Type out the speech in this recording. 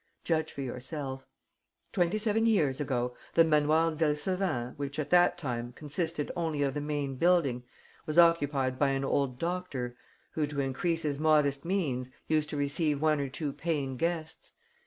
Judge for yourself. Twenty seven years ago, the Manoir d'Elseven, which at that time consisted only of the main building, was occupied by an old doctor who, to increase his modest means, used to receive one or two paying guests.